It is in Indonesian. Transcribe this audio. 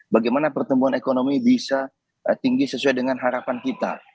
bagaimana pertumbuhan ekonomi bisa tinggi sesuai dengan harapan kita